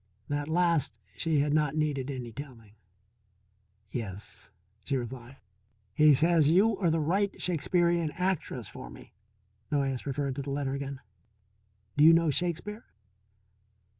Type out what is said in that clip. That last she had not needed any telling. "Yes," she replied. "He says you are the right Shakespearian actress for me," Noyes referred to the letter again. "Do you know Shakespeare?"